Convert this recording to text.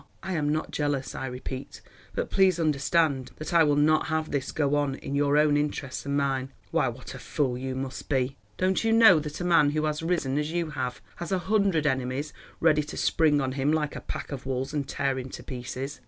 "I am not jealous, I repeat, but please understand that I will not have this go on, in your own interests and mine. Why, what a fool you must be. Don't you know that a man who has risen, as you have, has a hundred enemies ready to spring on him like a pack of wolves and tear him to pieces?